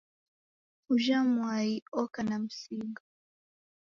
Ujha mwai oka na msigo